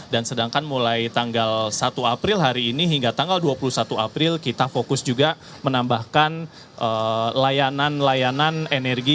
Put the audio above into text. dan sedangkan mulai tanggal satu april hari ini hingga tanggal dua puluh satu april kita fokus juga menambahkan layanan layanan energi